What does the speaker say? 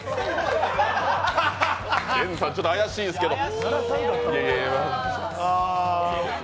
Ｄｅｎさん、ちょっと怪しいですけど。